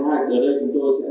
thứ một mươi thì chúng tôi đã có